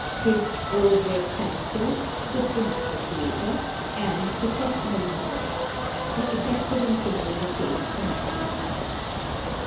His "Old Red Sandstone," "Footprints of the Creator," and "The Testimony of the Rocks" were effective in kindling a taste for natural science.